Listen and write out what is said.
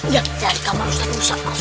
jangan di kamar ustaz ustaz harus